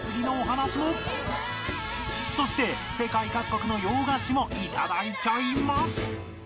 そして世界各国の洋菓子も頂いちゃいます